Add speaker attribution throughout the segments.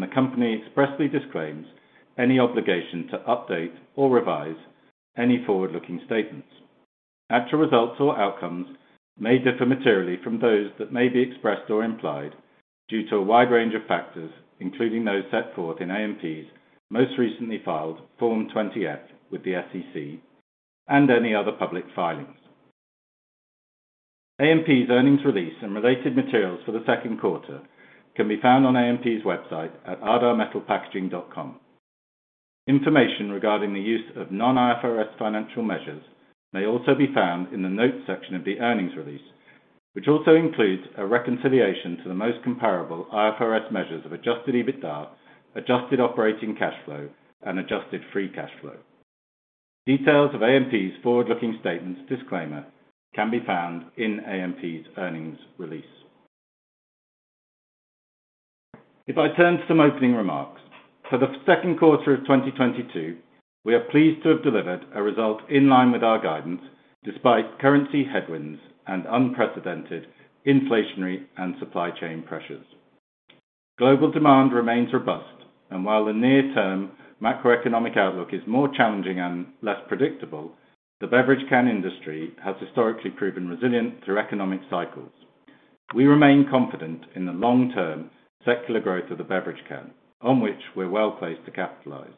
Speaker 1: The company expressly disclaims any obligation to update or revise any forward-looking statements. Actual results or outcomes may differ materially from those that may be expressed or implied due to a wide range of factors, including those set forth in AMP's most recently filed Form 20-F with the SEC and any other public filings. AMP's earnings release and related materials for the second quarter can be found on AMP's website at ardaghmetalpackaging.com. Information regarding the use of non-IFRS financial measures may also be found in the notes section of the earnings release, which also includes a reconciliation to the most comparable IFRS measures of Adjusted EBITDA, Adjusted operating cash flow, and Adjusted free cash flow. Details of AMP's forward-looking statements disclaimer can be found in AMP's earnings release. If I turn to some opening remarks, for the second quarter of 2022, we are pleased to have delivered a result in line with our guidance despite currency headwinds and unprecedented inflationary and supply chain pressures. Global demand remains robust, and while the near term macroeconomic outlook is more challenging and less predictable, the beverage can industry has historically proven resilient through economic cycles. We remain confident in the long term secular growth of the beverage can, on which we're well placed to capitalize.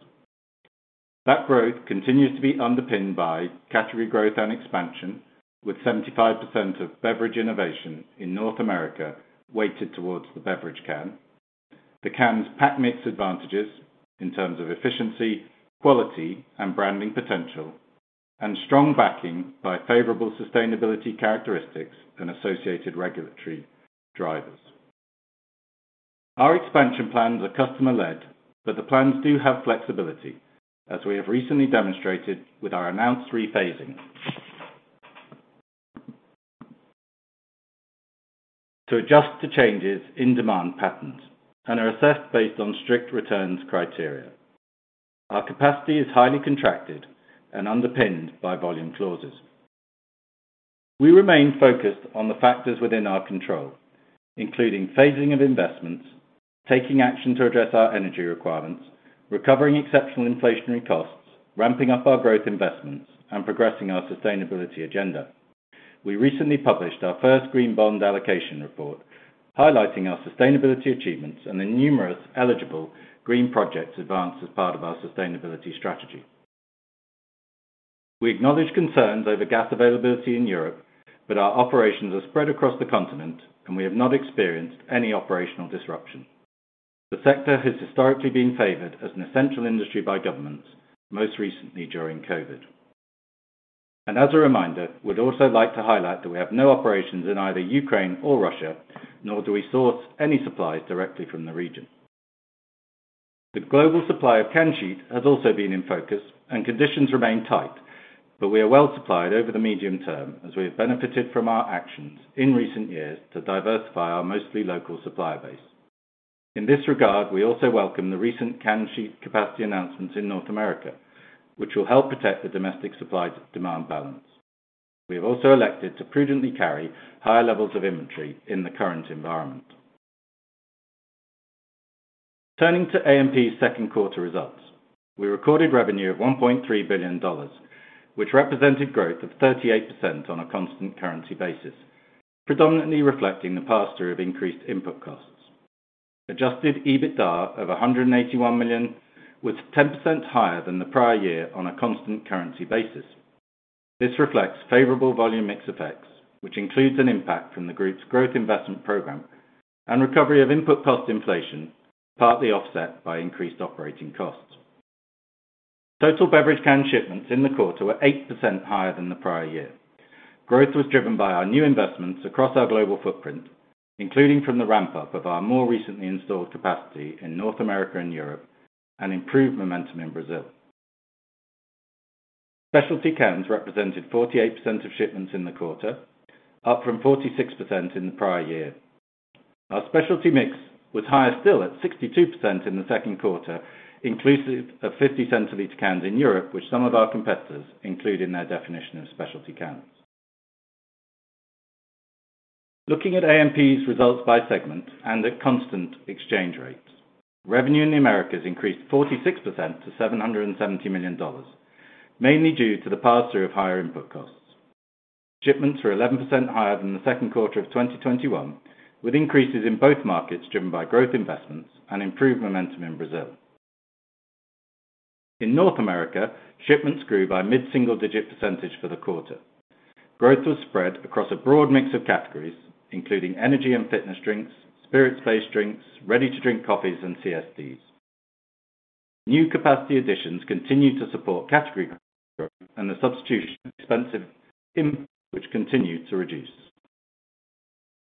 Speaker 1: That growth continues to be underpinned by category growth and expansion, with 75% of beverage innovation in North America weighted towards the beverage can. The can's pack mix advantages in terms of efficiency, quality, and branding potential and strong backing by favorable sustainability characteristics and associated regulatory drivers. Our expansion plans are customer-led, but the plans do have flexibility, as we have recently demonstrated with our announced rephasing to adjust to changes in demand patterns and are assessed based on strict returns criteria. Our capacity is highly contracted and underpinned by volume clauses. We remain focused on the factors within our control, including phasing of investments, taking action to address our energy requirements, recovering exceptional inflationary costs, ramping up our growth investments, and progressing our sustainability agenda. We recently published our first green bond allocation report, highlighting our sustainability achievements and the numerous eligible green projects advanced as part of our sustainability strategy. We acknowledge concerns over gas availability in Europe, but our operations are spread across the continent and we have not experienced any operational disruption. The sector has historically been favored as an essential industry by governments, most recently during COVID. As a reminder, we'd also like to highlight that we have no operations in either Ukraine or Russia, nor do we source any supplies directly from the region. The global supply of can sheet has also been in focus and conditions remain tight, but we are well supplied over the medium term as we have benefited from our actions in recent years to diversify our mostly local supplier base. In this regard, we also welcome the recent can sheet capacity announcements in North America, which will help protect the domestic supply to demand balance. We have also elected to prudently carry higher levels of inventory in the current environment. Turning to AMP's second quarter results, we recorded revenue of $1.3 billion, which represented growth of 38% on a constant currency basis, predominantly reflecting the pass through of increased input costs. Adjusted EBITDA of $181 million was 10% higher than the prior year on a constant currency basis. This reflects favorable volume mix effects, which includes an impact from the group's growth investment program and recovery of input cost inflation, partly offset by increased operating costs. Total beverage can shipments in the quarter were 8% higher than the prior year. Growth was driven by our new investments across our global footprint, including from the ramp up of our more recently installed capacity in North America and Europe, and improved momentum in Brazil. Specialty cans represented 48% of shipments in the quarter, up from 46% in the prior year. Our specialty mix was higher still at 62% in the second quarter, inclusive of fifty centiliter cans in Europe, which some of our competitors include in their definition of specialty cans. Looking at AMP's results by segment and at constant exchange rates, revenue in the Americas increased 46% to $770 million, mainly due to the pass-through of higher input costs. Shipments were 11% higher than the second quarter of 2021, with increases in both markets driven by growth investments and improved momentum in Brazil. In North America, shipments grew by mid-single-digit % for the quarter. Growth was spread across a broad mix of categories, including energy and fitness drinks, spirits-based drinks, ready to drink coffees, and CSDs. New capacity additions continue to support category growth and the substitution of expensive imports, which continued to reduce.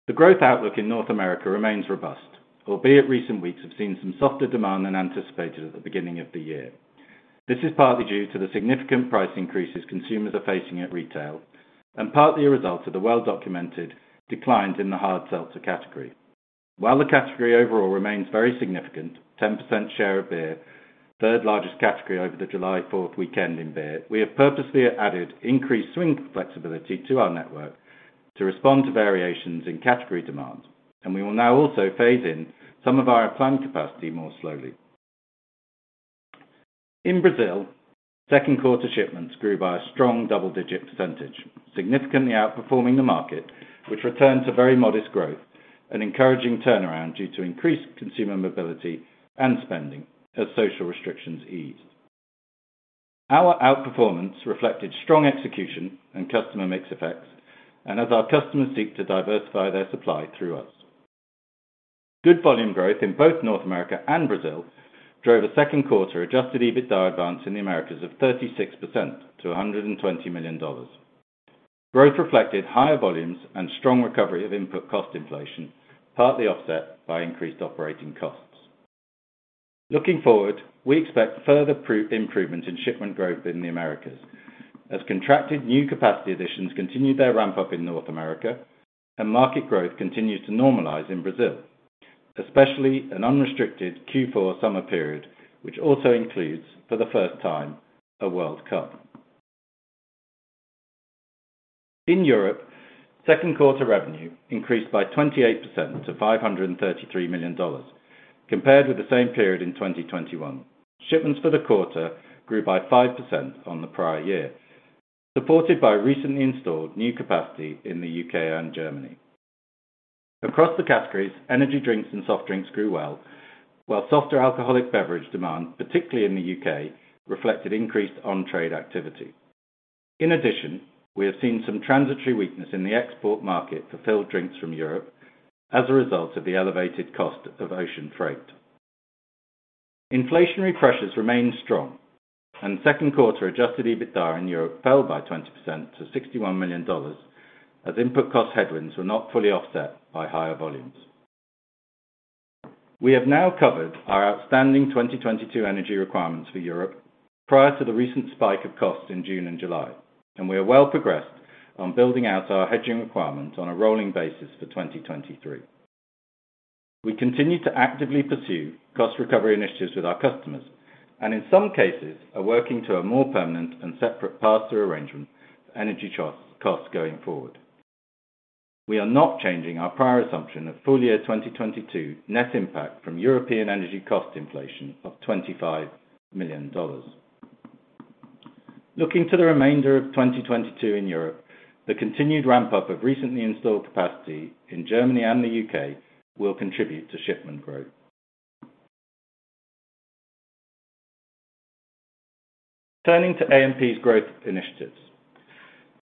Speaker 1: The growth outlook in North America remains robust, albeit recent weeks have seen some softer demand than anticipated at the beginning of the year. This is partly due to the significant price increases consumers are facing at retail, and partly a result of the well-documented declines in the hard seltzer category. While the category overall remains very significant, 10% share of beer. Third largest category over the July 4 weekend in beer, we have purposely added increased swing flexibility to our network to respond to variations in category demand, and we will now also phase in some of our planned capacity more slowly. In Brazil, second quarter shipments grew by a strong double-digit percentage, significantly outperforming the market, which returned to very modest growth, an encouraging turnaround due to increased consumer mobility and spending as social restrictions eased. Our outperformance reflected strong execution and customer mix effects, and as our customers seek to diversify their supply through us. Good volume growth in both North America and Brazil drove a second quarter Adjusted EBITDA advance in the Americas of 36% to $120 million. Growth reflected higher volumes and strong recovery of input cost inflation, partly offset by increased operating costs. Looking forward, we expect further improvement in shipment growth in the Americas as contracted new capacity additions continue their ramp up in North America and market growth continues to normalize in Brazil, especially an unrestricted Q4 summer period, which also includes, for the first time, a World Cup. In Europe, second quarter revenue increased by 28% to $533 million compared with the same period in 2021. Shipments for the quarter grew by 5% on the prior year, supported by recently installed new capacity in the U.K. and Germany. Across the categories, energy drinks and soft drinks grew well, while softer alcoholic beverage demand, particularly in the U.K., reflected increased on-trade activity. In addition, we have seen some transitory weakness in the export market for filled drinks from Europe as a result of the elevated cost of ocean freight. Inflationary pressures remain strong, and second quarter Adjusted EBITDA in Europe fell by 20% to $61 million, as input cost headwinds were not fully offset by higher volumes. We have now covered our outstanding 2022 energy requirements for Europe prior to the recent spike of costs in June and July, and we are well progressed on building out our hedging requirement on a rolling basis for 2023. We continue to actively pursue cost recovery initiatives with our customers, and in some cases, are working to a more permanent and separate pass-through arrangement for energy trust costs going forward. We are not changing our prior assumption of full year 2022 net impact from European energy cost inflation of $25 million. Looking to the remainder of 2022 in Europe, the continued ramp up of recently installed capacity in Germany and the U.K. will contribute to shipment growth. Turning to AMP's growth initiatives.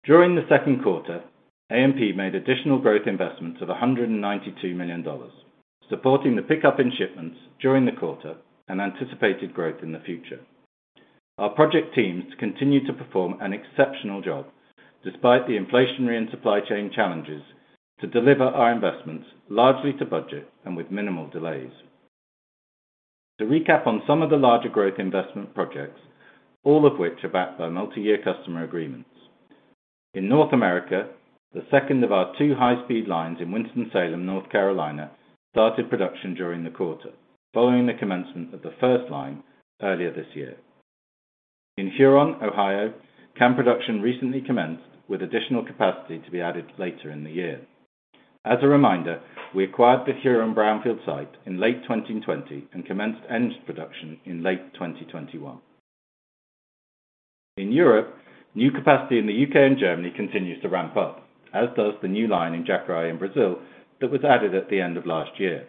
Speaker 1: During the second quarter, AMP made additional growth investments of $192 million, supporting the pickup in shipments during the quarter and anticipated growth in the future. Our project teams continue to perform an exceptional job despite the inflationary and supply chain challenges to deliver our investments largely to budget and with minimal delays. To recap on some of the larger growth investment projects, all of which are backed by multi-year customer agreements. In North America, the second of our two high speed lines in Winston-Salem, North Carolina, started production during the quarter, following the commencement of the first line earlier this year. In Huron, Ohio, can production recently commenced with additional capacity to be added later in the year. As a reminder, we acquired the Huron Brownfield site in late 2020 and commenced can production in late 2021. In Europe, new capacity in the U.K. and Germany continues to ramp up, as does the new line in Jacareí in Brazil that was added at the end of last year.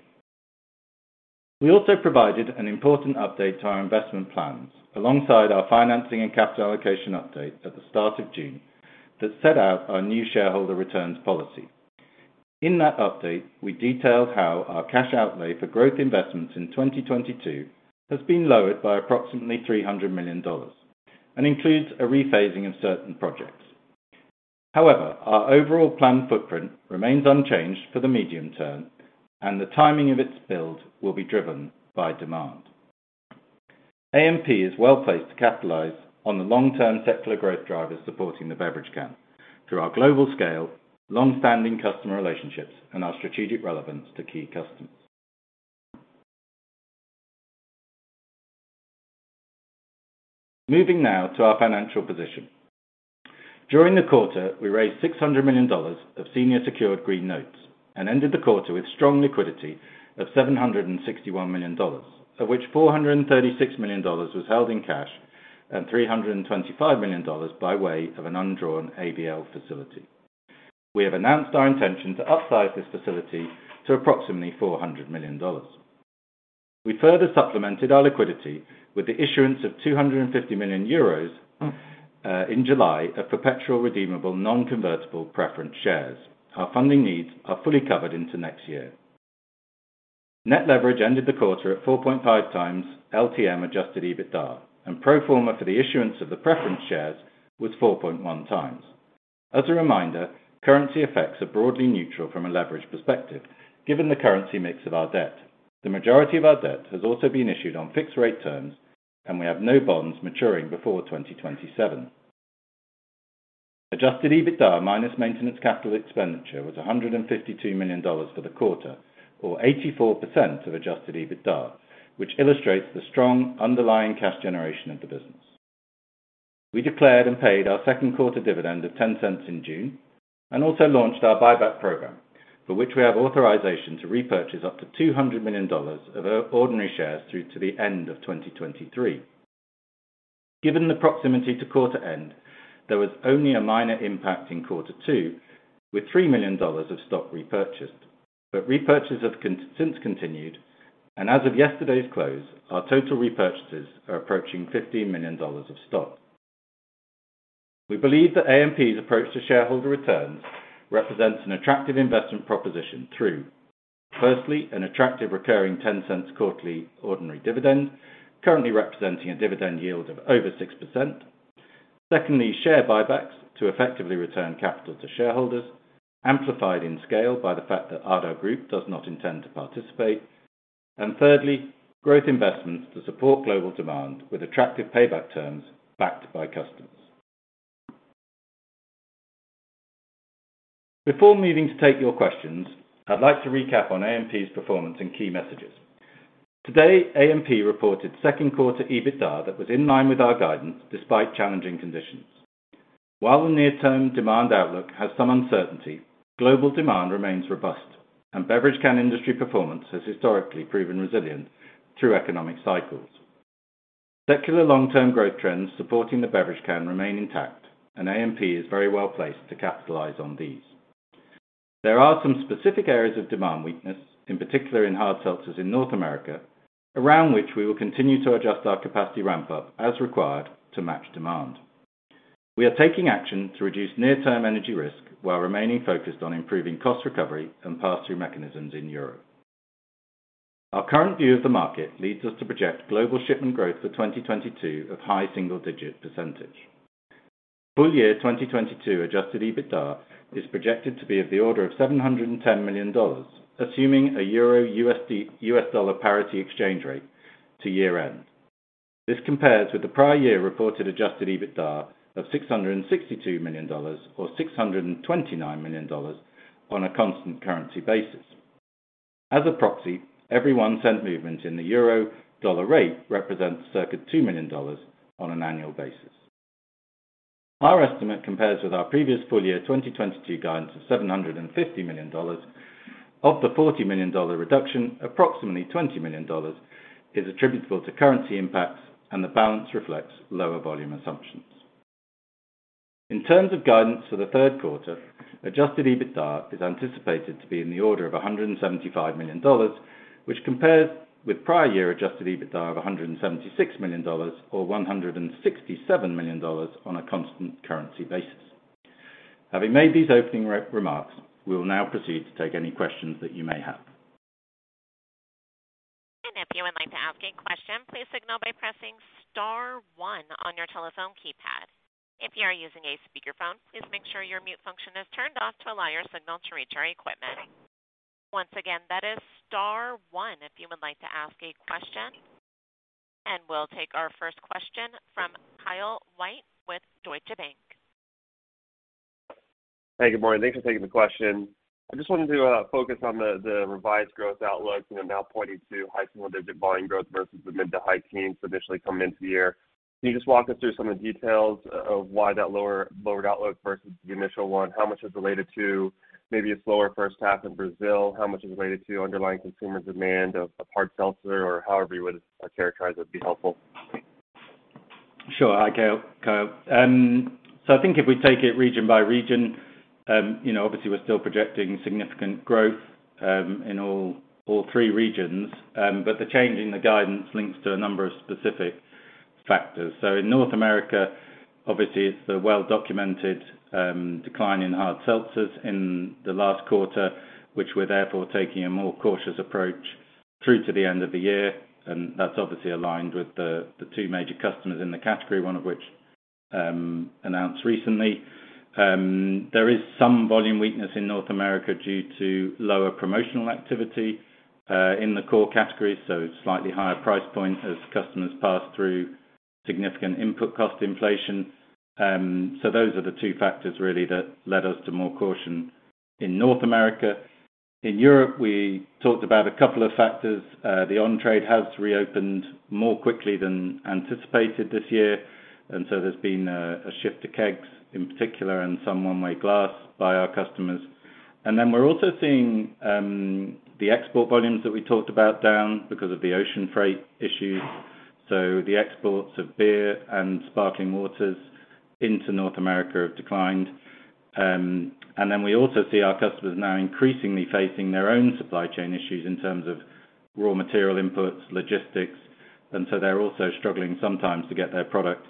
Speaker 1: We also provided an important update to our Investment plans alongside our financing and capital allocation update at the start of June that set out our new shareholder returns policy. In that update, we detailed how our cash outlay for growth investments in 2022 has been lowered by approximately $300 million and includes a rephasing of certain projects. However, our overall plan footprint remains unchanged for the medium term, and the timing of its build will be driven by demand. AMP is well-placed to capitalize on the long term secular growth drivers supporting the beverage can through our global scale, long-standing customer relationships, and our strategic relevance to key customers. Moving now to our financial position. During the quarter, we raised $600 million of senior secured green notes and ended the quarter with strong liquidity of $761 million, of which $436 million was held in cash and $325 million by way of an undrawn ABL facility. We have announced our intention to upsize this facility to approximately $400 million. We further supplemented our liquidity with the issuance of 250 million euros in July of perpetual redeemable non-convertible preference shares. Our funding needs are fully covered into next year. Net leverage ended the quarter at 4.5x LTM Adjusted EBITDA, and pro forma for the issuance of the preference shares was 4.1x. As a reminder, currency effects are broadly neutral from a leverage perspective, given the currency mix of our debt. The majority of our debt has also been issued on fixed rate terms, and we have no bonds maturing before 2027. Adjusted EBITDA minus maintenance capital expenditure was $152 million for the quarter, or 84% of Adjusted EBITDA, which illustrates the strong underlying cash generation of the business. We declared and paid our second quarter dividend of $0.10 in June, and also launched our buyback program, for which we have authorization to repurchase up to $200 million of our ordinary shares through to the end of 2023. Given the proximity to quarter end, there was only a minor impact in quarter two with $3 million of stock repurchased. Repurchases have since continued, and as of yesterday's close, our total repurchases are approaching $50 million of stock. We believe that AMP's approach to shareholder returns represents an attractive investment proposition through, firstly, an attractive recurring $0.10 quarterly ordinary dividend, currently representing a dividend yield of over 6%. Secondly, share buybacks to effectively return capital to shareholders, amplified in scale by the fact that Ardagh Group does not intend to participate. Thirdly, growth investments to support global demand with attractive payback terms backed by customers. Before moving to take your questions, I'd like to recap on AMP's performance and key messages. Today, AMP reported second quarter EBITDA that was in line with our guidance despite challenging conditions. While the near-term demand outlook has some uncertainty, global demand remains robust, and beverage can industry performance has historically proven resilient through economic cycles. Secular long-term growth trends supporting the beverage can remain intact, and AMP is very well placed to capitalize on these. There are some specific areas of demand weakness, in particular in hard seltzers in North America, around which we will continue to adjust our capacity ramp up as required to match demand. We are taking action to reduce near-term energy risk while remaining focused on improving cost recovery and pass-through mechanisms in Europe. Our current view of the market leads us to project global shipment growth for 2022 of high single-digit %. Full year 2022 adjusted EBITDA is projected to be of the order of $710 million, assuming a EUR-USD parity exchange rate to year-end. This compares with the prior year reported adjusted EBITDA of $662 million or $629 million on a constant currency basis. As a proxy, every 1 cent movement in the euro-dollar rate represents circa $2 million on an annual basis. Our estimate compares with our previous full year 2022 guidance of $750 million. Of the $40 million reduction, approximately $20 million is attributable to currency impacts, and the balance reflects lower volume assumptions. In terms of guidance for the third quarter, Adjusted EBITDA is anticipated to be in the order of $175 million, which compares with prior year Adjusted EBITDA of $176 million or $167 million on a constant currency basis. Having made these opening remarks, we will now proceed to take any questions that you may have.
Speaker 2: If you would like to ask a question, please signal by pressing star one on your telephone keypad. If you are using a speakerphone, please make sure your mute function is turned off to allow your signal to reach our equipment. Once again, that is star one if you would like to ask a question. We'll take our first question from Kyle White with Deutsche Bank.
Speaker 3: Hey, good morning. Thanks for taking the question. I just wanted to focus on the revised growth outlook. You know, now pointing to high single digit volume growth versus the mid to high teens initially coming into the year. Can you just walk us through some of the details of why that lowered outlook versus the initial one? How much is related to maybe a slower first half in Brazil? How much is related to underlying consumer demand of hard seltzer or however you would characterize it? That would be helpful.
Speaker 1: Sure. Hi, Kyle. I think if we take it region by region, you know, obviously we're still projecting significant growth in all three regions. But the change in the guidance links to a number of specific factors. In North America, obviously it's the well-documented decline in hard seltzers in the last quarter, which we're therefore taking a more cautious approach through to the end of the year. That's obviously aligned with the two major customers in the category, one of which announced recently. There is some volume weakness in North America due to lower promotional activity in the core categories, so slightly higher price points as customers pass through significant input cost inflation. Those are the two factors really that led us to more caution in North America. In Europe, we talked about a couple of factors. The on-trade has reopened more quickly than anticipated this year, and so there's been a shift to kegs in particular and some one-way glass by our customers. We're also seeing the export volumes that we talked about down because of the ocean freight issues. The exports of beer and sparkling waters into North America have declined. We also see our customers now increasingly facing their own supply chain issues in terms of raw material inputs, logistics. They're also struggling sometimes to get their product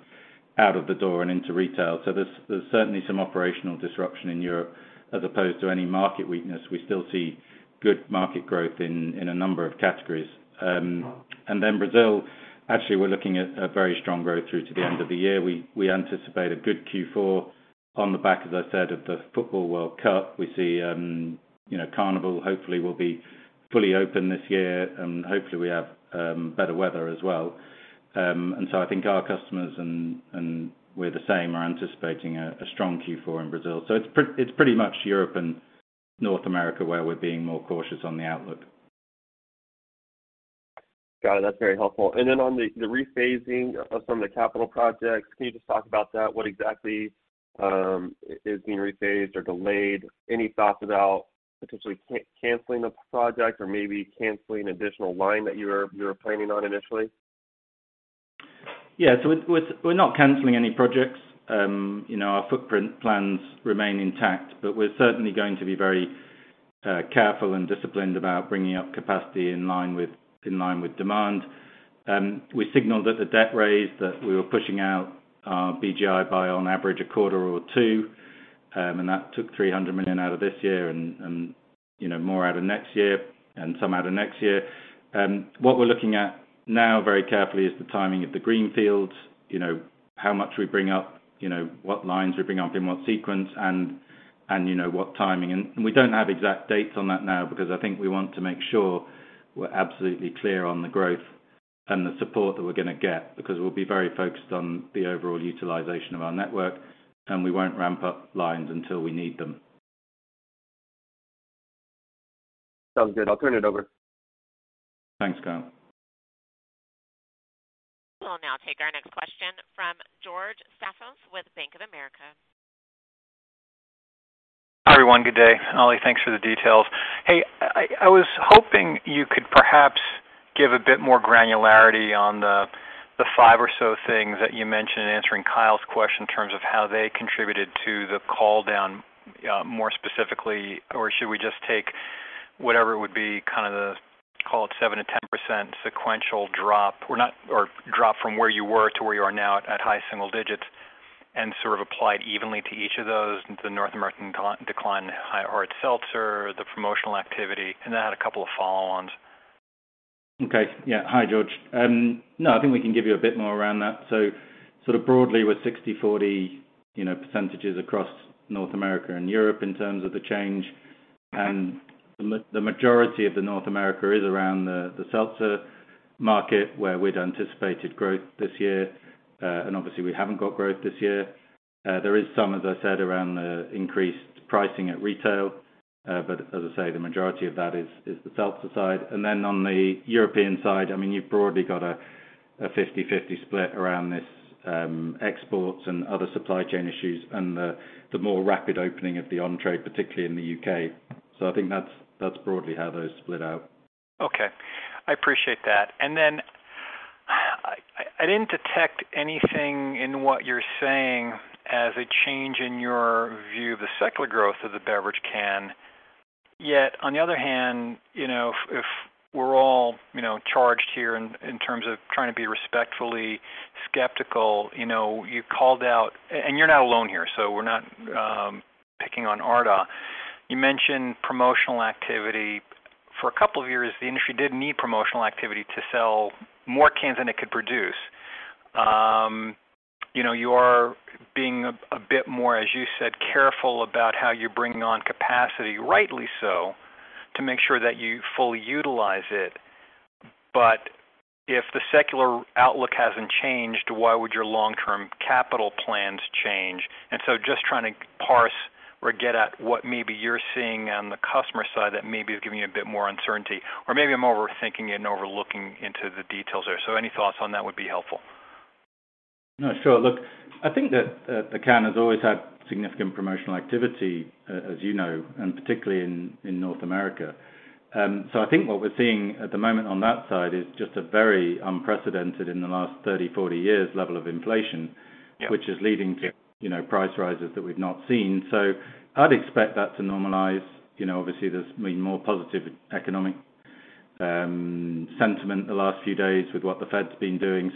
Speaker 1: out of the door and into retail. There's certainly some operational disruption in Europe as opposed to any market weakness. We still see good market growth in a number of categories. Brazil, actually, we're looking at a very strong growth through to the end of the year. We anticipate a good Q4 on the back, as I said, of the football World Cup. We see, you know, Carnival hopefully will be fully open this year, and hopefully we have better weather as well. I think our customers and we're the same are anticipating a strong Q4 in Brazil. It's pretty much Europe and North America, where we're being more cautious on the outlook.
Speaker 3: Got it. That's very helpful. On the rephasing of some of the capital projects, can you just talk about that? What exactly is being rephased or delayed? Any thoughts about potentially canceling the project or maybe canceling additional line that you were planning on initially?
Speaker 1: Yeah. We're not canceling any projects. You know, our footprint plans remain intact, but we're certainly going to be very careful and disciplined about bringing up capacity in line with demand. We signaled at the debt raise that we were pushing out our BGI by on average a quarter or two, and that took $300 million out of this year and, you know, more out of next year and some out of next year. What we're looking at now very carefully is the timing of the greenfields, you know, how much we bring up, you know, what lines we bring up in what sequence and you know, what timing. We don't have exact dates on that now because I think we want to make sure we're absolutely clear on the growth and the support that we're gonna get, because we'll be very focused on the overall utilization of our network, and we won't ramp up lines until we need them.
Speaker 3: Sounds good. I'll turn it over.
Speaker 1: Thanks, Kyle.
Speaker 2: We'll now take our next question from George Staphos with Bank of America.
Speaker 4: Hi, everyone. Good day. Oli, thanks for the details. Hey, I was hoping you could perhaps give a bit more granularity on the five or so things that you mentioned in answering Kyle's question in terms of how they contributed to the call down more specifically, or should we just take whatever would be kind of the, call it 7%-10% sequential drop or not or drop from where you were to where you are now at high single digits% and sort of applied evenly to each of those, the North American decline, hard seltzer, the promotional activity? Then I had a couple of follow-ons.
Speaker 1: Okay. Yeah. Hi, George. No, I think we can give you a bit more around that. Sort of broadly we're 60/40, you know, percentages across North America and Europe in terms of the change. The majority of the North America is around the seltzer market, where we'd anticipated growth this year, and obviously we haven't got growth this year. There is some, as I said, around the increased pricing at retail, but as I say, the majority of that is the seltzer side. Then on the European side, I mean, you've broadly got a 50/50 split around this, exports and other supply chain issues and the more rapid opening of the on-trade, particularly in the UK. I think that's broadly how those split out.
Speaker 4: Okay. I appreciate that. Then I didn't detect anything in what you're saying as a change in your view of the secular growth of the beverage can, yet on the other hand, you know, if we're all, you know, charged here in terms of trying to be respectfully skeptical, you know, you called out. And you're not alone here, so we're not picking on Ardagh. You mentioned promotional activity. For a couple of years, the industry did need promotional activity to sell more cans than it could produce. You know, you are being a bit more, as you said, careful about how you're bringing on capacity, rightly so, to make sure that you fully utilize it. But if the secular outlook hasn't changed, why would your long-term capital plans change? Just trying to parse or get at what maybe you're seeing on the customer side that maybe is giving you a bit more uncertainty. Maybe I'm overthinking it and overlooking into the details there. Any thoughts on that would be helpful.
Speaker 1: No, sure. Look, I think that the can has always had significant promotional activity, as you know, and particularly in North America. I think what we're seeing at the moment on that side is just a very unprecedented in the last 30-40 years level of inflation.
Speaker 4: Yeah.
Speaker 1: Which is leading to, you know, price rises that we've not seen. I'd expect that to normalize. You know, obviously, there's been more positive economic sentiment the last few days with what the Fed's been doing.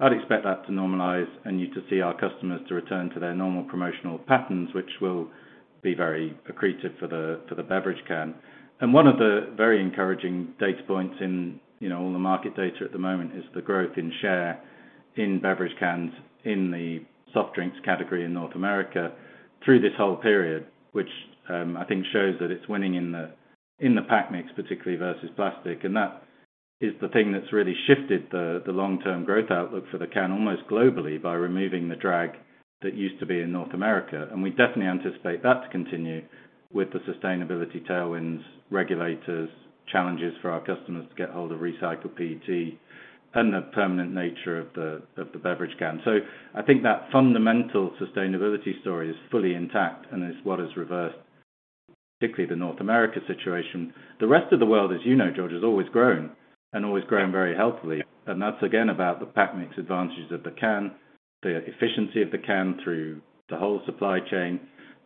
Speaker 1: I'd expect that to normalize and you to see our customers to return to their normal promotional patterns, which will be very accretive for the beverage can. One of the very encouraging data points in, you know, all the market data at the moment is the growth in share in beverage cans in the soft drinks category in North America through this whole period, which I think shows that it's winning in the pack mix, particularly versus plastic. That is the thing that's really shifted the long-term growth outlook for the can almost globally by removing the drag that used to be in North America. We definitely anticipate that to continue with the sustainability tailwinds, regulatory challenges for our customers to get hold of recycled PET and the permanent nature of the beverage can. I think that fundamental sustainability story is fully intact and is what has reversed, particularly the North America situation. The rest of the world, as you know, George, has always grown and always grown very healthily. That's again about the pack mix advantages of the can, the efficiency of the can through the whole supply chain,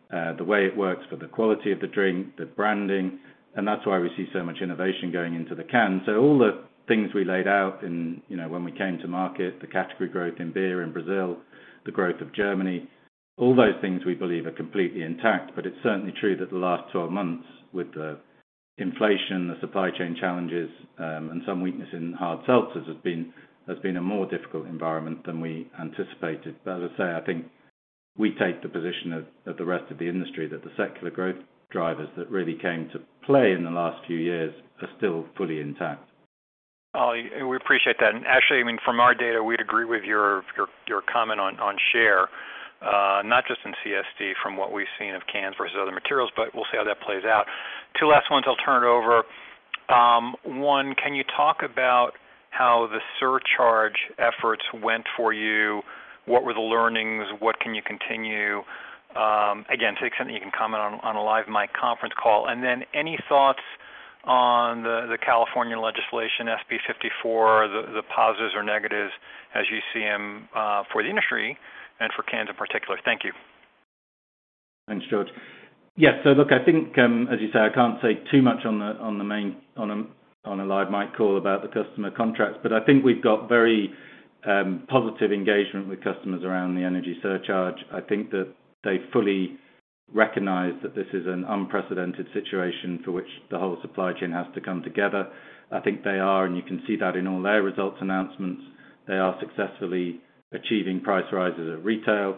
Speaker 1: the way it works for the quality of the drink, the branding, and that's why we see so much innovation going into the can. All the things we laid out in, you know, when we came to market, the category growth in beer in Brazil, the growth of Germany, all those things we believe are completely intact. It's certainly true that the last 12 months with the inflation, the supply chain challenges, and some weakness in hard seltzers has been a more difficult environment than we anticipated. As I say, I think we take the position of the rest of the industry that the secular growth drivers that really came to play in the last few years are still fully intact.
Speaker 4: Oh, we appreciate that. Actually, I mean, from our data, we'd agree with your comment on share, not just in CSD from what we've seen of cans versus other materials, but we'll see how that plays out. Two last ones, I'll turn it over. One, can you talk about how the surcharge efforts went for you? What were the learnings? What can you continue? Again, to the extent you can comment on a live mic conference call. Then any thoughts on the California legislation, SB 54, the positives or negatives as you see them, for the industry and for cans in particular? Thank you.
Speaker 1: Thanks, George. Yes. Look, I think, as you say, I can't say too much on a live mic call about the customer contracts. I think we've got very positive engagement with customers around the energy surcharge. I think that they fully recognize that this is an unprecedented situation for which the whole supply chain has to come together. I think they are, and you can see that in all their results announcements, they are successfully achieving price rises at retail,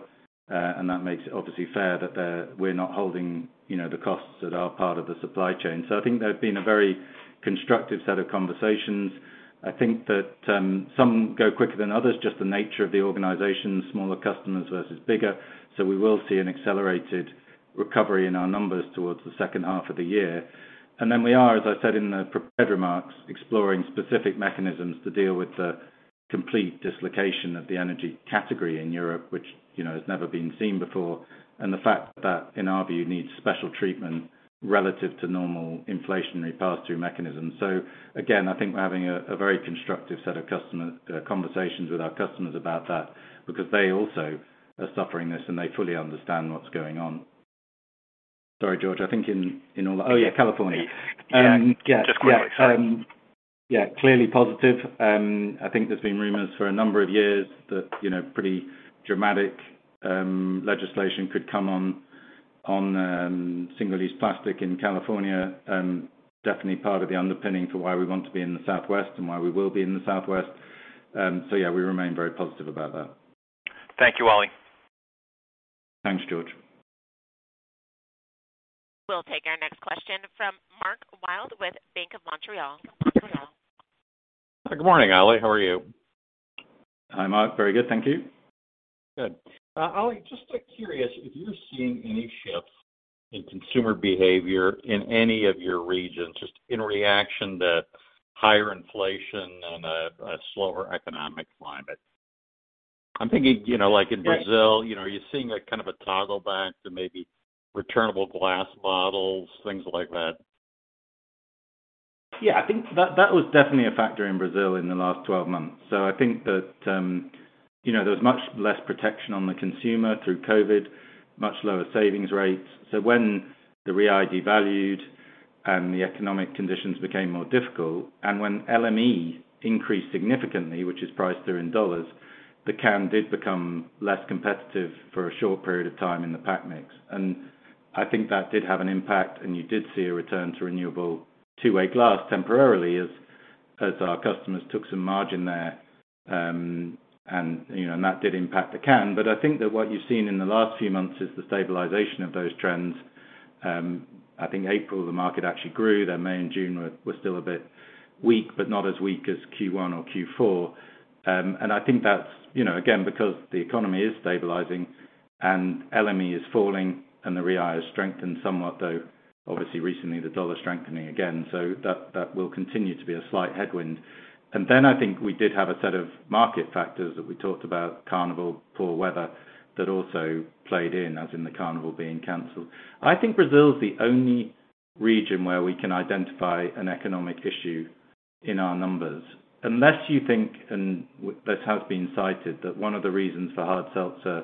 Speaker 1: and that makes it obviously fair that we're not holding, you know, the costs that are part of the supply chain. I think they've been a very constructive set of conversations. I think that some go quicker than others, just the nature of the organization, smaller customers versus bigger. We will see an accelerated recovery in our numbers towards the second half of the year. We are, as I said in the prepared remarks, exploring specific mechanisms to deal with the complete dislocation of the energy category in Europe, which, you know, has never been seen before, and the fact that in our view, needs special treatment relative to normal inflationary pass-through mechanisms. Again, I think we're having a very constructive set of customer conversations with our customers about that because they also are suffering this, and they fully understand what's going on. Sorry, George, I think in all. Oh, yeah, California.
Speaker 4: Yeah.
Speaker 1: Yeah.
Speaker 4: Just quickly.
Speaker 1: Yeah. Clearly positive. I think there's been rumors for a number of years that, you know, pretty dramatic legislation could come on single-use plastic in California. Definitely part of the underpinning for why we want to be in the Southwest and why we will be in the Southwest. Yeah, we remain very positive about that.
Speaker 4: Thank you, Ollie.
Speaker 1: Thanks, George.
Speaker 2: We'll take our next question from Mark Wilde with Bank of Montreal.
Speaker 5: Good morning, Ollie. How are you?
Speaker 1: Hi, Mark. Very good. Thank you.
Speaker 5: Good. Ollie, just curious if you're seeing any shifts in consumer behavior in any of your regions just in reaction to higher inflation and a slower economic climate. I'm thinking, you know, like in Brazil, you know, are you seeing a kind of a toggle back to maybe returnable glass bottles, things like that?
Speaker 1: Yeah. I think that was definitely a factor in Brazil in the last 12 months. I think that you know there was much less protection on the consumer through COVID, much lower savings rates. When the Real devalued and the economic conditions became more difficult, and when LME increased significantly, which is priced there in U.S. dollars, the can did become less competitive for a short period of time in the pack mix. I think that did have an impact, and you did see a return to returnable two-way glass temporarily as our customers took some margin there. You know that did impact the can. I think that what you've seen in the last few months is the stabilization of those trends. I think April the market actually grew. May and June were still a bit weak, but not as weak as Q1 or Q4. I think that's, you know, again, because the economy is stabilizing and LME is falling and the Real has strengthened somewhat, though obviously recently, the dollar is strengthening again. That will continue to be a slight headwind. I think we did have a set of market factors that we talked about, Carnival, poor weather, that also played in, as in the Carnival being canceled. I think Brazil is the only region where we can identify an economic issue in our numbers. Unless you think, and this has been cited, that one of the reasons for hard seltzer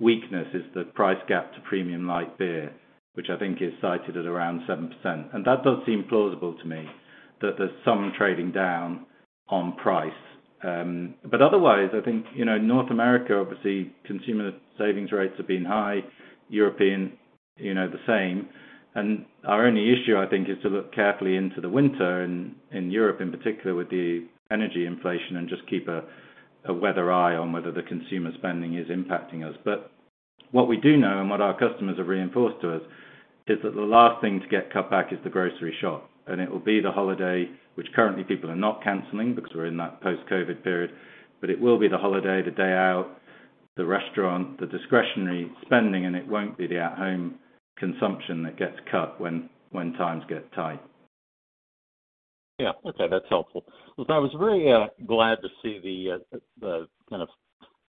Speaker 1: weakness is the price gap to premium light beer, which I think is cited at around 7%. That does seem plausible to me that there's some trading down on price. Otherwise, I think, you know, North America, obviously, consumer savings rates have been high, European, you know, the same. Our only issue, I think, is to look carefully into the winter in Europe, in particular with the energy inflation and just keep a weather eye on whether the consumer spending is impacting us. What we do know and what our customers have reinforced to us is that the last thing to get cut back is the grocery shop. It will be the holiday, which currently people are not canceling because we're in that post-COVID period. It will be the holiday, the day out, the restaurant, the discretionary spending, and it won't be the at-home consumption that gets cut when times get tight.
Speaker 5: Yeah. Okay, that's helpful. Look, I was very glad to see the kind of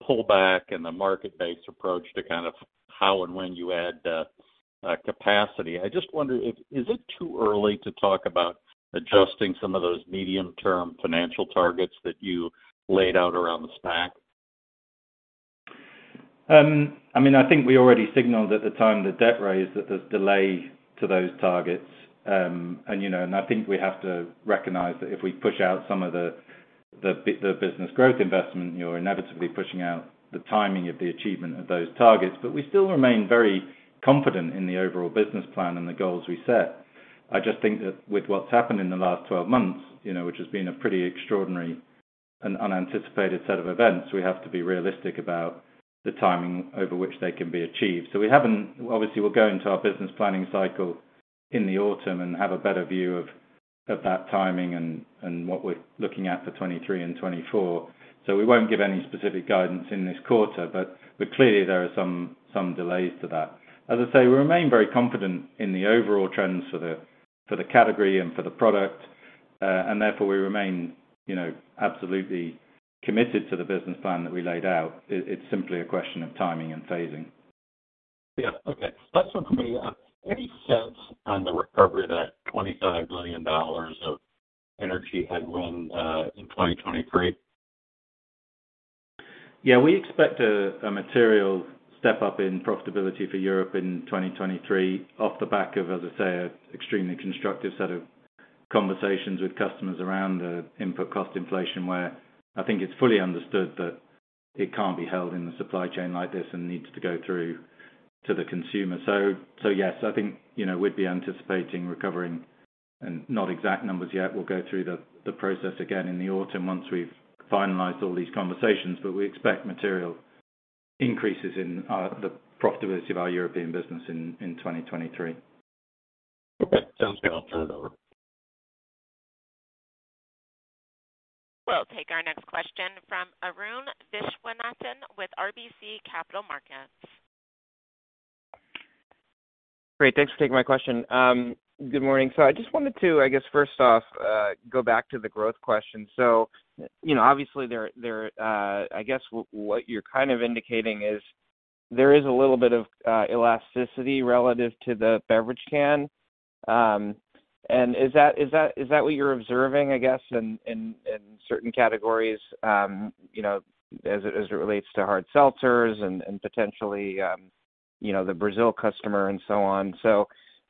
Speaker 5: pullback and the market-based approach to kind of how and when you add capacity. I just wonder if it is too early to talk about adjusting some of those medium-term financial targets that you laid out around the SPAC?
Speaker 1: I mean, I think we already signaled at the time the debt raise that there's delay to those targets. And, you know, I think we have to recognize that if we push out some of the business growth investment, you're inevitably pushing out the timing of the achievement of those targets. We still remain very confident in the overall business plan and the goals we set. I just think that with what's happened in the last 12 months, you know, which has been a pretty extraordinary, an unanticipated set of events. We have to be realistic about the timing over which they can be achieved. We haven't. Obviously, we'll go into our business planning cycle in the autumn and have a better view of that timing and what we're looking at for 2023 and 2024. We won't give any specific guidance in this quarter, but clearly there are some delays to that. As I say, we remain very confident in the overall trends for the category and for the product. Therefore, we remain, you know, absolutely committed to the business plan that we laid out. It's simply a question of timing and phasing.
Speaker 5: Last one for me. Any sense on the recovery of the $25 million energy headwind in 2023?
Speaker 1: Yeah, we expect a material step-up in profitability for Europe in 2023 off the back of, as I say, an extremely constructive set of conversations with customers around the input cost inflation, where I think it's fully understood that it can't be held in the supply chain like this and needs to go through to the consumer. Yes, I think, you know, we'd be anticipating recovering, and not exact numbers yet. We'll go through the process again in the autumn once we've finalized all these conversations, but we expect material increases in the profitability of our European business in 2023.
Speaker 5: Okay. Sounds good. I'll turn it over.
Speaker 2: We'll take our next question from Arun Viswanathan with RBC Capital Markets.
Speaker 6: Great. Thanks for taking my question. Good morning. I just wanted to, I guess, first off, go back to the growth question. You know, obviously there, I guess what you're kind of indicating is there is a little bit of elasticity relative to the beverage can. Is that what you're observing, I guess, in certain categories, you know, as it relates to hard seltzers and potentially, you know, the Brazil customer and so on?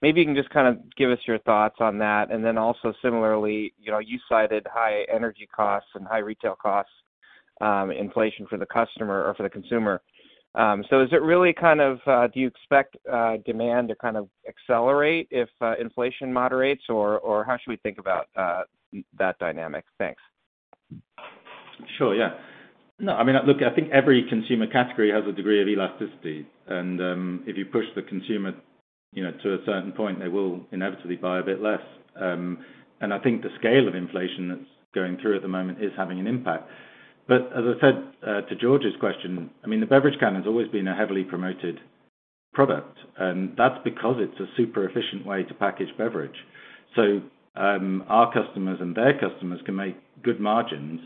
Speaker 6: Maybe you can just kind of give us your thoughts on that. Also similarly, you know, you cited high energy costs and high retail costs, inflation for the customer or for the consumer. Is it really kind of do you expect demand to kind of accelerate if inflation moderates or how should we think about that dynamic? Thanks.
Speaker 1: Sure, yeah. No, I mean, look, I think every consumer category has a degree of elasticity. If you push the consumer, you know, to a certain point, they will inevitably buy a bit less. I think the scale of inflation that's going through at the moment is having an impact. As I said, to George's question, I mean, the beverage can has always been a heavily promoted product, and that's because it's a super efficient way to package beverage. Our customers and their customers can make good margins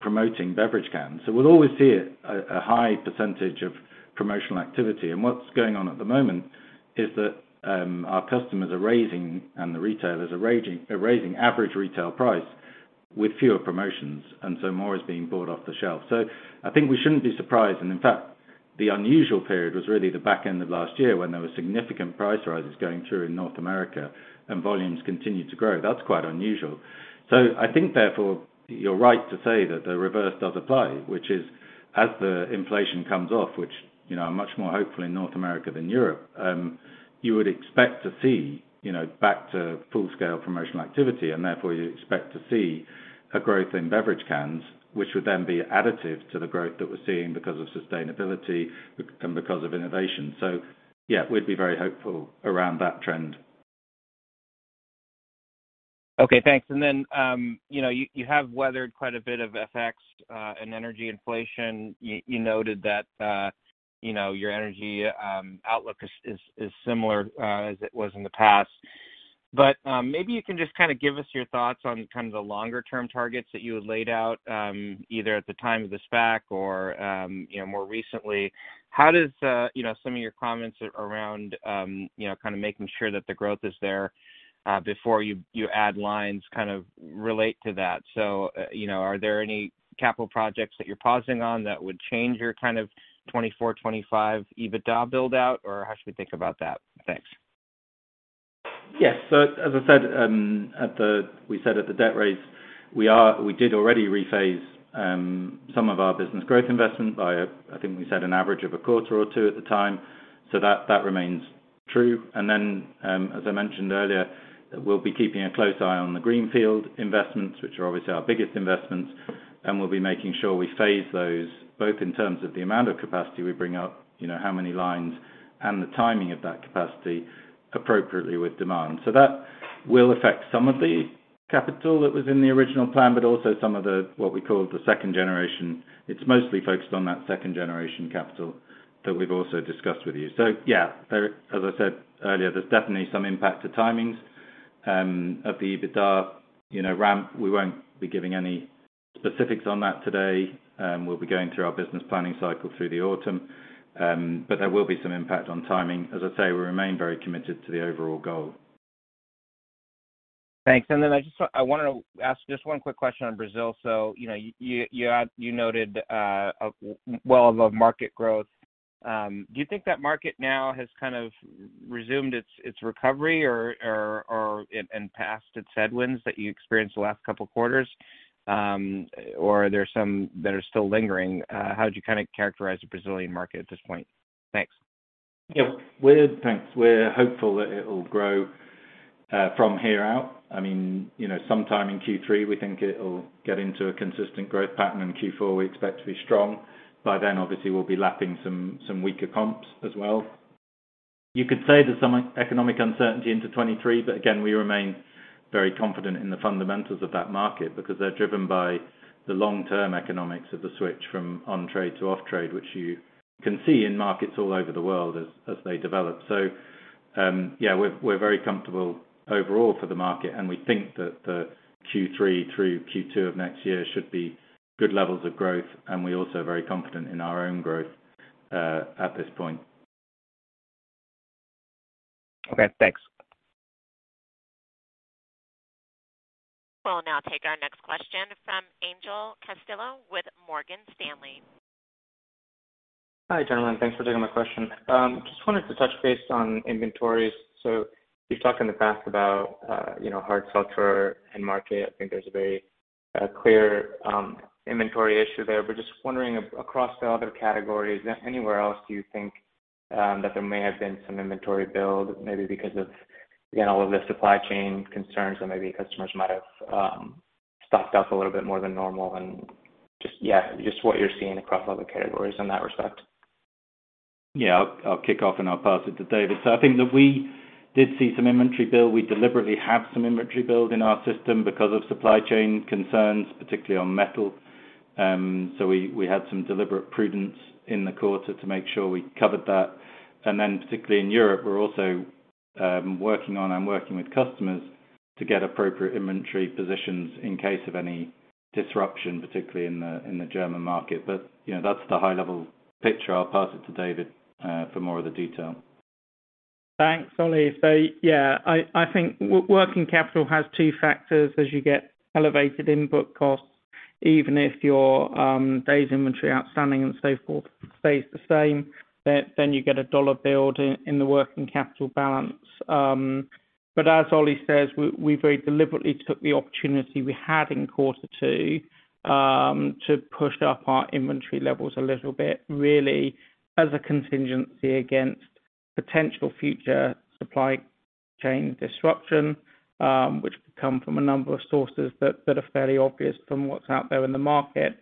Speaker 1: promoting beverage cans. We'll always see a high percentage of promotional activity. What's going on at the moment is that our customers are raising, and the retailers are raising average retail price with fewer promotions, and so more is being bought off the shelf. I think we shouldn't be surprised. In fact, the unusual period was really the back end of last year when there were significant price rises going through in North America and volumes continued to grow. That's quite unusual. I think, therefore, you're right to say that the reverse does apply, which is as the inflation comes off, which you know, we're much more hopeful in North America than Europe, you would expect to see, you know, back to full-scale promotional activity, and therefore you expect to see a growth in beverage cans, which would then be additive to the growth that we're seeing because of sustainability and because of innovation. Yeah, we'd be very hopeful around that trend.
Speaker 6: Okay, thanks. You know, you have weathered quite a bit of FX and energy inflation. You noted that, you know, your energy outlook is similar as it was in the past. Maybe you can just kinda give us your thoughts on kind of the longer term targets that you had laid out, either at the time of the SPAC or, you know, more recently. How does, you know, some of your comments around, you know, kind of making sure that the growth is there, before you add lines kind of relate to that? You know, are there any capital projects that you're pausing on that would change your kind of 2024, 2025 EBITDA build-out, or how should we think about that? Thanks.
Speaker 1: Yes. As I said, at the debt raise, we did already rephase some of our business growth investments by, I think we said an average of a quarter or two at the time. That remains true. As I mentioned earlier, we'll be keeping a close eye on the greenfield investments, which are obviously our biggest investments, and we'll be making sure we phase those both in terms of the amount of capacity we bring up, you know, how many lines, and the timing of that capacity appropriately with demand. That will affect some of the capital that was in the original plan, but also some of the, what we call the second generation. It's mostly focused on that second generation capital that we've also discussed with you. Yeah, as I said earlier, there's definitely some impact to timings of the EBITDA, you know, ramp. We won't be giving any specifics on that today. We'll be going through our business planning cycle through the autumn. There will be some impact on timing. As I say, we remain very committed to the overall goal.
Speaker 6: Thanks. I wanted to ask just one quick question on Brazil. You know, you noted well above market growth. Do you think that market now has kind of resumed its recovery or has passed its headwinds that you experienced the last couple of quarters? Or are there some that are still lingering? How would you kind of characterize the Brazilian market at this point? Thanks.
Speaker 1: We're hopeful that it'll grow from here out. I mean, you know, sometime in Q3, we think it'll get into a consistent growth pattern. In Q4, we expect to be strong. By then, obviously, we'll be lapping some weaker comps as well. You could say there's some economic uncertainty into 2023, but again, we remain very confident in the fundamentals of that market because they're driven by the long-term economics of the switch from on-trade to off-trade, which you can see in markets all over the world as they develop. We're very comfortable overall for the market, and we think that the Q3 through Q2 of next year should be good levels of growth. We're also very confident in our own growth at this point.
Speaker 6: Okay, thanks.
Speaker 2: We'll now take our next question from Angel Castillo with Morgan Stanley.
Speaker 7: Hi, gentlemen. Thanks for taking my question. Just wanted to touch base on inventories. You've talked in the past about, you know, hard seltzer end market. I think there's a very clear inventory issue there. But just wondering across the other categories, is there anywhere else you think that there may have been some inventory build maybe because of, again, all of the supply chain concerns where maybe customers might have stocked up a little bit more than normal? Just, yeah, just what you're seeing across other categories in that respect.
Speaker 1: Yeah. I'll kick off, and I'll pass it to David. I think that we did see some inventory build. We deliberately have some inventory build in our system because of supply chain concerns, particularly on metal. We had some deliberate prudence in the quarter to make sure we covered that. Particularly in Europe, we're also working on and working with customers to get appropriate inventory positions in case of any disruption, particularly in the German market. You know, that's the high level picture. I'll pass it to David for more of the detail.
Speaker 8: Thanks, Oli. Yeah, I think working capital has two factors as you get elevated input costs, even if your days inventory outstanding and so forth stays the same. You get a dollar build in the working capital balance. As Oli says, we very deliberately took the opportunity we had in quarter two to push up our inventory levels a little bit, really as a contingency against potential future supply chain disruption, which could come from a number of sources that are fairly obvious from what's out there in the market.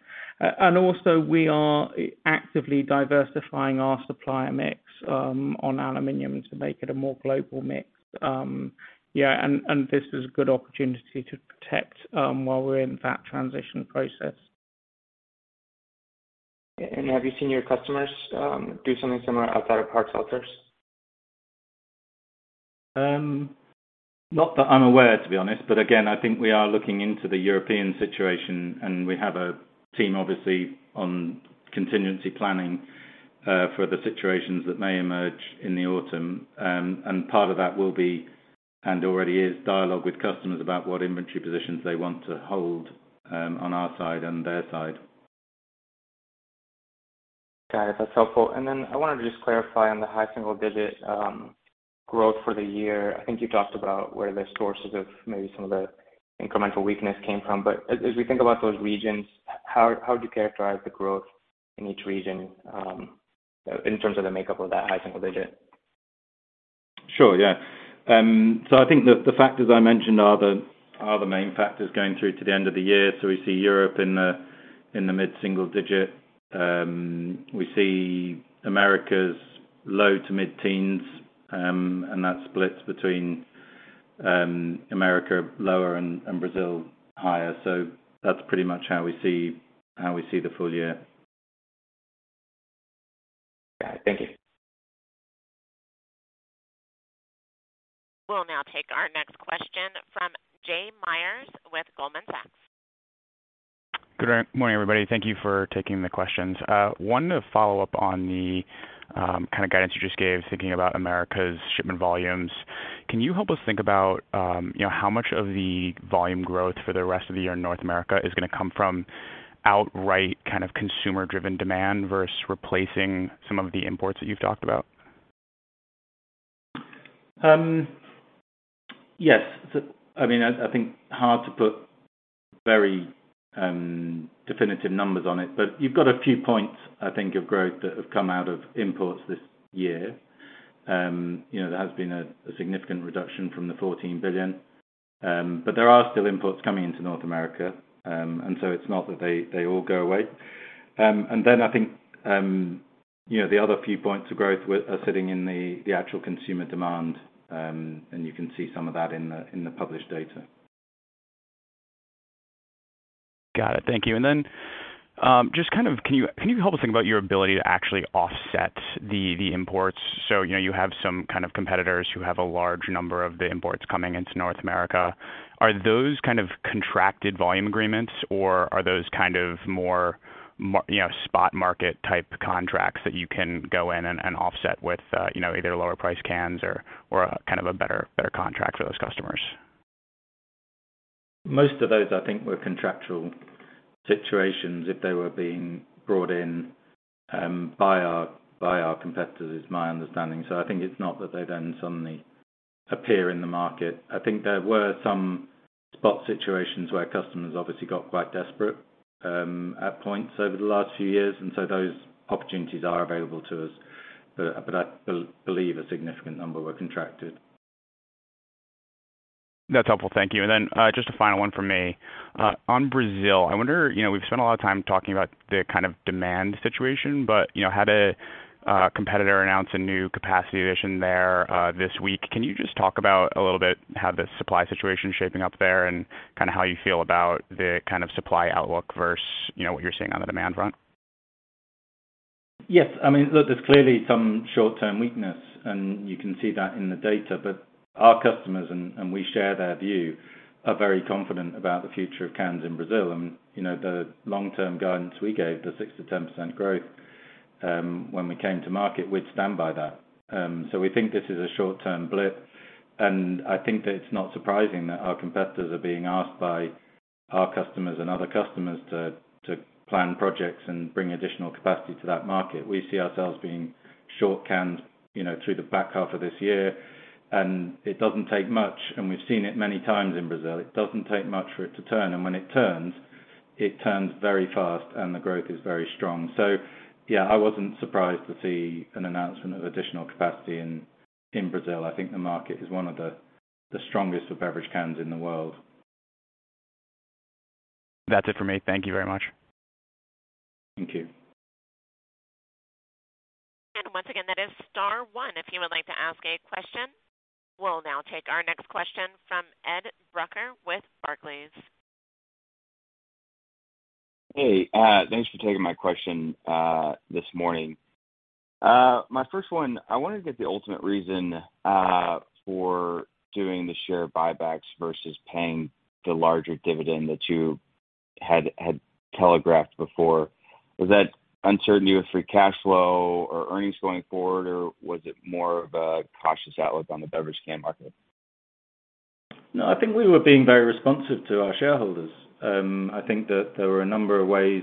Speaker 8: Also we are actively diversifying our supplier mix on aluminum to make it a more global mix. Yeah, and this is a good opportunity to protect while we're in that transition process.
Speaker 7: Have you seen your customers do something similar outside of hard seltzer?
Speaker 1: Not that I'm aware, to be honest, but again, I think we are looking into the European situation, and we have a team obviously on contingency planning for the situations that may emerge in the autumn. Part of that will be, and already is dialogue with customers about what inventory positions they want to hold, on our side and their side.
Speaker 7: Got it. That's helpful. I wanted to just clarify on the high single digit growth for the year. I think you talked about where the sources of maybe some of the incremental weakness came from. As we think about those regions, how would you characterize the growth in each region in terms of the makeup of that high single-digit?
Speaker 1: Sure, yeah. I think the factors I mentioned are the main factors going through to the end of the year. We see Europe in the mid-single-digit%. We see Americas low- to mid-teens%, and that splits between America lower and Brazil higher. That's pretty much how we see the full year.
Speaker 7: Got it. Thank you.
Speaker 2: We'll now take our next question from Jay Mayers with Goldman Sachs.
Speaker 9: Good morning, everybody. Thank you for taking the questions. Wanted to follow up on the kind of guidance you just gave thinking about America's shipment volumes. Can you help us think about, you know, how much of the volume growth for the rest of the year in North America is gonna come from outright kind of consumer-driven demand versus replacing some of the imports that you've talked about?
Speaker 1: Yes. I mean, I think hard to put very definitive numbers on it, but you've got a few points, I think, of growth that have come out of imports this year. You know, there has been a significant reduction from the 14 billion. There are still imports coming into North America. It's not that they all go away. I think, you know, the other few points of growth are sitting in the actual consumer demand, and you can see some of that in the published data.
Speaker 9: Got it. Thank you. Just kind of can you help us think about your ability to actually offset the imports? You know, you have some kind of competitors who have a large number of the imports coming into North America. Are those kind of contracted volume agreements, or are those kind of more, you know, spot market type contracts that you can go in and offset with, you know, either lower price cans or a kind of a better contract for those customers?
Speaker 1: Most of those, I think, were contractual situations if they were being brought in by our competitors, is my understanding. I think it's not that they then suddenly appear in the market. I think there were some spot situations where customers obviously got quite desperate at points over the last few years, and those opportunities are available to us. I believe a significant number were contracted.
Speaker 9: That's helpful. Thank you. Just a final one from me. On Brazil, I wonder, you know, we've spent a lot of time talking about the kind of demand situation, but, you know, had a competitor announce a new capacity addition there, this week. Can you just talk about a little bit how the supply situation is shaping up there and kind of how you feel about the kind of supply outlook versus, you know, what you're seeing on the demand front?
Speaker 1: Yes. I mean, look, there's clearly some short-term weakness, and you can see that in the data. Our customers, and we share their view, are very confident about the future of cans in Brazil. You know, the long-term guidance we gave, the 6%-10% growth, when we came to market, we'd stand by that. We think this is a short-term blip. I think that it's not surprising that our competitors are being asked by our customers and other customers to plan projects and bring additional capacity to that market. We see ourselves being short on cans, you know, through the back half of this year. It doesn't take much, and we've seen it many times in Brazil. It doesn't take much for it to turn, and when it turns, it turns very fast, and the growth is very strong. Yeah, I wasn't surprised to see an announcement of additional capacity in Brazil. I think the market is one of the strongest for beverage cans in the world.
Speaker 9: That's it for me. Thank you very much.
Speaker 1: Thank you.
Speaker 2: Once again, that is star one if you would like to ask a question. We'll now take our next question from Ed Brucker with Barclays.
Speaker 10: Hey, thanks for taking my question this morning. My first one, I wanted to get the ultimate reason for doing the share buybacks versus paying the larger dividend that you had telegraphed before. Was that uncertainty with free cash flow or earnings going forward, or was it more of a cautious outlook on the beverage can market?
Speaker 1: No, I think we were being very responsive to our shareholders. I think that there were a number of ways,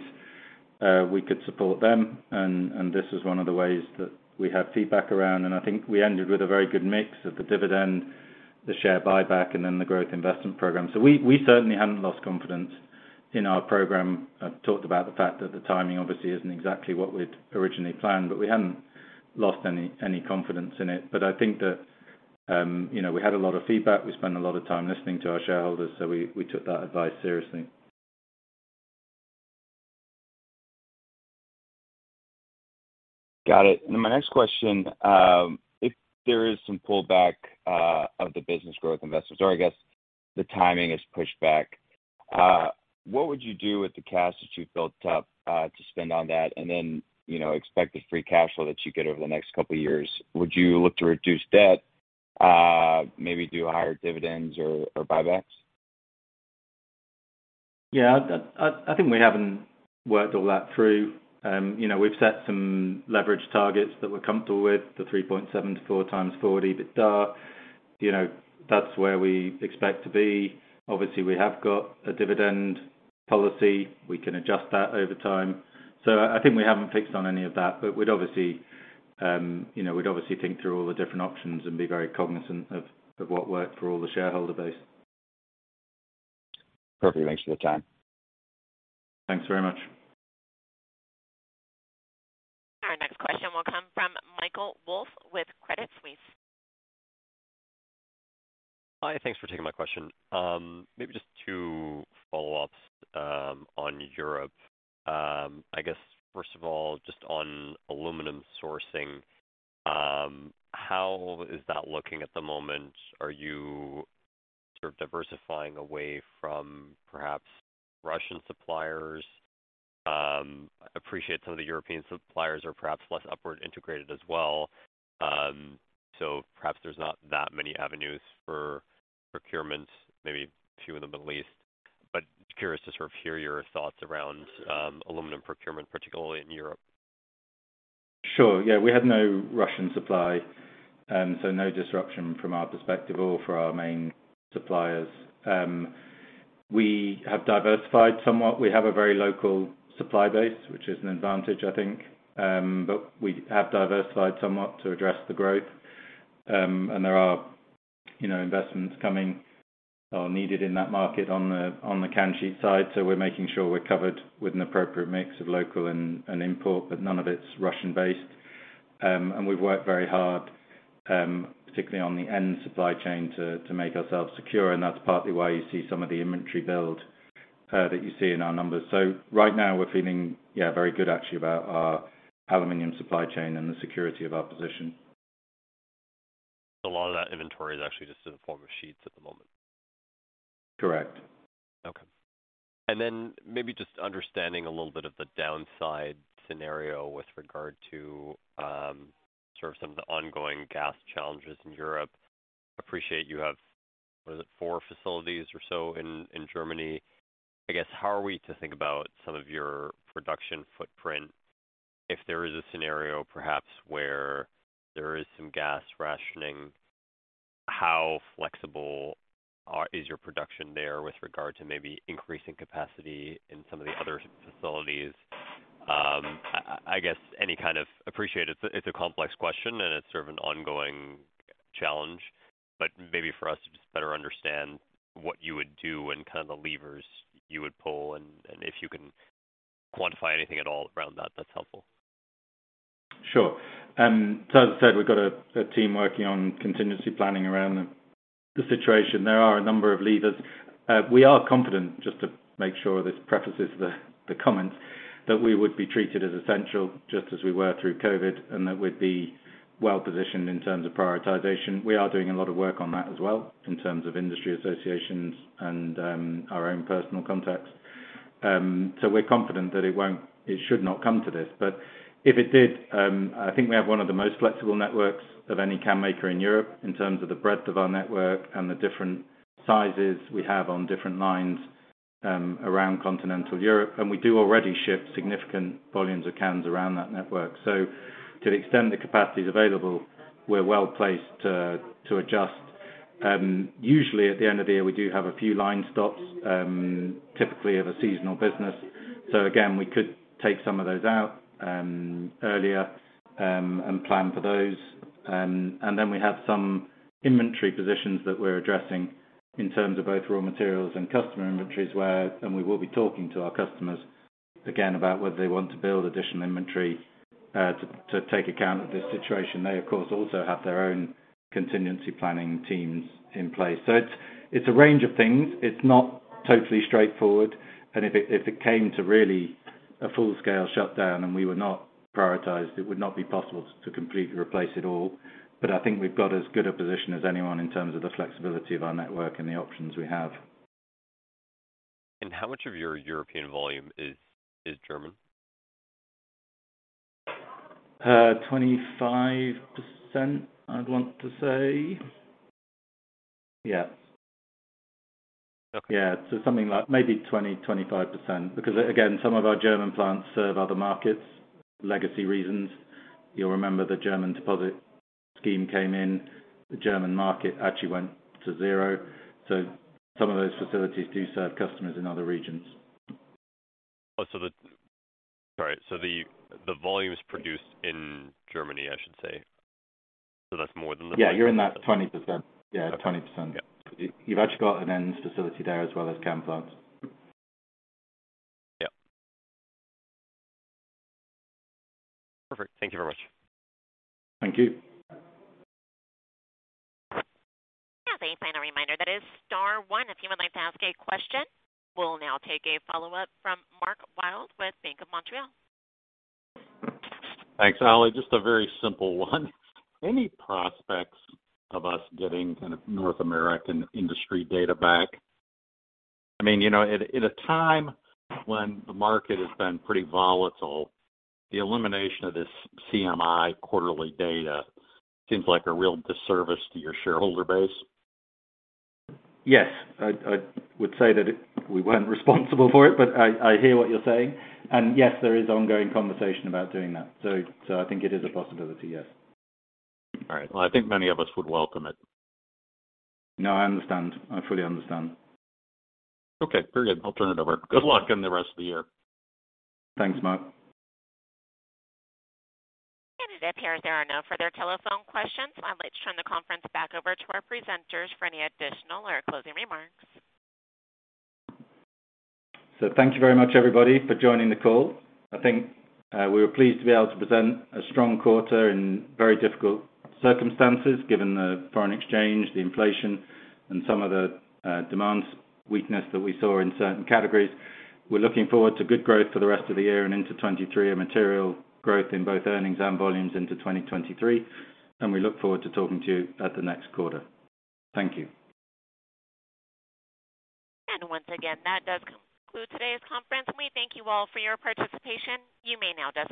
Speaker 1: we could support them and this was one of the ways that we had feedback around, and I think we ended with a very good mix of the dividend, the share buyback, and then the growth investment program. We certainly haven't lost confidence in our program. I've talked about the fact that the timing obviously isn't exactly what we'd originally planned, but we haven't lost any confidence in it. I think that, you know, we had a lot of feedback. We spent a lot of time listening to our shareholders. We took that advice seriously.
Speaker 10: Got it. My next question, if there is some pullback of the business growth investments, or I guess the timing is pushed back, what would you do with the cash that you've built up to spend on that and then, you know, expected free cash flow that you get over the next couple of years? Would you look to reduce debt, maybe do higher dividends or buybacks?
Speaker 1: Yeah. I think we haven't worked all that through. You know, we've set some leverage targets that we're comfortable with, the 3.7-4 times forward EBITDA. You know, that's where we expect to be. Obviously, we have got a dividend policy. We can adjust that over time. I think we haven't fixed on any of that, but we'd obviously think through all the different options and be very cognizant of what worked for all the shareholder base.
Speaker 10: Perfect. Thanks for the time.
Speaker 1: Thanks very much.
Speaker 2: Our next question will come from Michael Wolfe with Credit Suisse.
Speaker 11: Hi, thanks for taking my question. Maybe just two follow-ups, on Europe. I guess first of all, just on aluminum sourcing, how is that looking at the moment? Are you sort of diversifying away from perhaps Russian suppliers? I appreciate some of the European suppliers are perhaps less vertically integrated as well, so perhaps there's not that many avenues for procurement, maybe a few in the Middle East. Curious to sort of hear your thoughts around aluminum procurement, particularly in Europe.
Speaker 1: Sure. Yeah, we have no Russian supply, so no disruption from our perspective or for our main suppliers. We have diversified somewhat. We have a very local supply base, which is an advantage, I think. We have diversified somewhat to address the growth. There are, you know, investments coming or needed in that market on the can sheet side. We're making sure we're covered with an appropriate mix of local and import, but none of it's Russian-based. We've worked very hard, particularly on the can end supply chain to make ourselves secure, and that's partly why you see some of the inventory build that you see in our numbers. Right now we're feeling, yeah, very good actually about our aluminum supply chain and the security of our position.
Speaker 11: A lot of that inventory is actually just in the form of sheets at the moment?
Speaker 1: Correct.
Speaker 11: Okay. Maybe just understanding a little bit of the downside scenario with regard to sort of some of the ongoing gas challenges in Europe. Appreciate you have, what is it, four facilities or so in Germany. I guess how are we to think about some of your production footprint if there is a scenario perhaps where there is some gas rationing? How flexible is your production there with regard to maybe increasing capacity in some of the other facilities? I guess. Appreciate it's a complex question, and it's sort of an ongoing challenge, but maybe for us to just better understand what you would do and kind of the levers you would pull and if you can quantify anything at all around that's helpful.
Speaker 1: As I said, we've got a team working on contingency planning around the situation. There are a number of levers. We are confident, just to make sure this prefaces the comments, that we would be treated as essential just as we were through COVID, and that we'd be well-positioned in terms of prioritization. We are doing a lot of work on that as well in terms of industry associations and our own personal contacts. We're confident it should not come to this. If it did, I think we have one of the most flexible networks of any can maker in Europe in terms of the breadth of our network and the different sizes we have on different lines around continental Europe, and we do already ship significant volumes of cans around that network. To the extent the capacity is available, we're well-placed to adjust. Usually at the end of the year, we do have a few line stops, typically of a seasonal business. Again, we could take some of those out earlier and plan for those. And then we have some inventory positions that we're addressing in terms of both raw materials and customer inventories, and we will be talking to our customers again about whether they want to build additional inventory to take account of this situation. They, of course, also have their own contingency planning teams in place. It's a range of things. It's not totally straightforward. If it came to really a full-scale shutdown and we were not prioritized, it would not be possible to completely replace it all. I think we've got as good a position as anyone in terms of the flexibility of our network and the options we have.
Speaker 11: How much of your European volume is German?
Speaker 1: 25%, I'd want to say. Yeah. Yeah. Something like maybe 20-25%. Because again, some of our German plants serve other markets, legacy reasons. You'll remember the German deposit scheme came in, the German market actually went to zero. Some of those facilities do serve customers in other regions.
Speaker 11: Sorry. The volumes produced in Germany, I should say. That's more than the
Speaker 1: Yeah. You're in that 20%. Yeah, 20%.
Speaker 11: Yeah.
Speaker 1: You've actually got an ends facility there as well as can plants.
Speaker 11: Yeah. Perfect. Thank you very much.
Speaker 1: Thank you.
Speaker 2: As a final reminder, that is star one if you would like to ask a question. We'll now take a follow-up from Mark Wilde with Bank of Montreal.
Speaker 5: Thanks, Ali. Just a very simple one. Any prospects of us getting kind of North American industry data back? I mean, you know, at a time when the market has been pretty volatile, the elimination of this CMI quarterly data seems like a real disservice to your shareholder base.
Speaker 1: Yes. I would say we weren't responsible for it, but I hear what you're saying. Yes, there is ongoing conversation about doing that. I think it is a possibility, yes.
Speaker 5: All right. Well, I think many of us would welcome it.
Speaker 1: No, I understand. I fully understand.
Speaker 5: Okay. Very good. I'll turn it over. Good luck in the rest of the year.
Speaker 1: Thanks, Mark.
Speaker 2: It appears there are no further telephone questions. I'd like to turn the conference back over to our presenters for any additional or closing remarks.
Speaker 1: Thank you very much, everybody, for joining the call. I think we were pleased to be able to present a strong quarter in very difficult circumstances, given the foreign exchange, the inflation, and some of the demand weakness that we saw in certain categories. We're looking forward to good growth for the rest of the year and into 2023, a material growth in both earnings and volumes into 2023. We look forward to talking to you at the next quarter. Thank you.
Speaker 2: Once again, that does conclude today's conference. We thank you all for your participation. You may now disconnect.